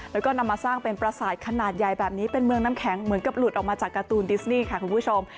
แล้วก็นำมาสร้างเป็นประสาทขนาดใหญ่แบบนี้เป็นเมืองน้ำแข็งเหมือนกับหลุดออกมาจากการ์ตูนดิสนี่ค่ะคุณผู้ชม